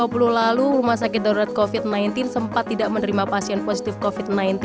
dua puluh lalu rumah sakit darurat covid sembilan belas sempat tidak menerima pasien positif covid sembilan belas